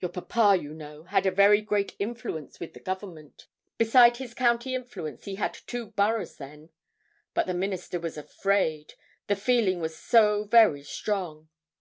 Your papa, you know, had a very great influence with the Government. Beside his county influence, he had two boroughs then. But the Minister was afraid, the feeling was so very strong.